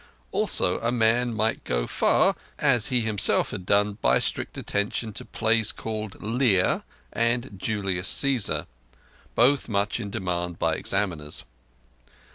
Also a man might go far, as he himself had done, by strict attention to plays called Lear and Julius Cæsar, both much in demand by examiners.